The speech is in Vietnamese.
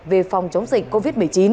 về phòng chống dịch covid một mươi chín